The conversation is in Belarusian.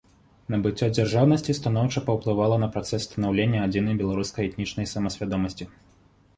Набыццё дзяржаўнасці станоўча паўплывала на працэс станаўлення адзінай беларускай этнічнай самасвядомасці.